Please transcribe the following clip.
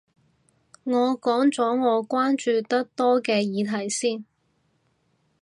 我講咗我關注得多嘅議題先